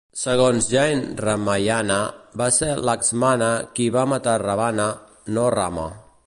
Segons Jain Ramayana, va ser Laxmana qui va matar Ravana, no Rama.